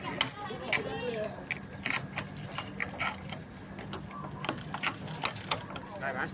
พี่สุนัยคิดถึงลูกไหมครับ